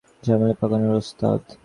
ঝামেলা পাকানোর ওস্তাদ।